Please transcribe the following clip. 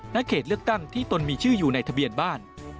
เขตเลือกตั้งที่ตนมีชื่ออยู่ในทะเบียนบ้าน